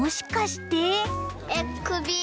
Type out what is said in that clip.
くび！